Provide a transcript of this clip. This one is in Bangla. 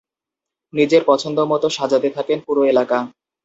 নিজের পছন্দ মতো সাজাতে থাকেন পুরো এলাকা।